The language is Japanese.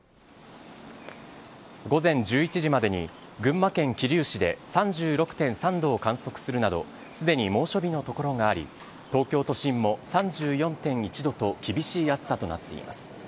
午前１１時までに、群馬県桐生市で３６．３度を観測するなど、すでに猛暑日の所があり、東京都心も３４．１度と厳しい暑さとなっています。